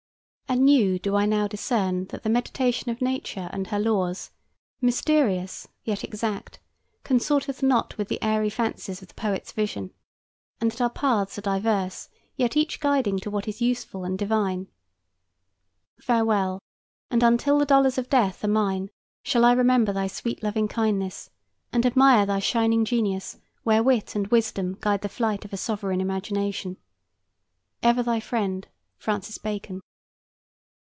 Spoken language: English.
Anew do I now discern that the meditation of Nature and her laws, mysterious yet exact, consorteth not with the airy fancies of the Poet's vision, and that our paths are diverse, yet each guiding to what is useful and divine. Farewell! and until the dolors of death are mine shall I remember thy sweet, loving kindness, and admire thy shining genius where wit and wisdom guide the flight of a sovereign imagination. Ever thy friend, FRANCIS BACON.